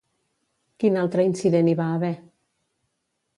Quin altre incident hi va haver?